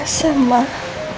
kau sudah sadar